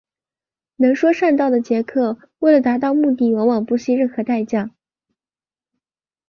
能说善道的杰克为了达到目的往往不惜任何代价。